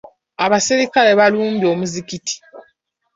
Abapoliisi balumbye omuzikiti.